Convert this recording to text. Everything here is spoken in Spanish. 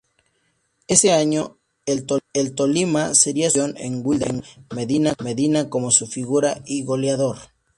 Ese año, el Tolima sería subcampeón, con Wilder Medina como su figura y goleador.